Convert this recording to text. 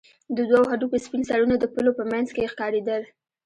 د دوو هډوکو سپين سرونه د پلو په منځ کښې ښکارېدل.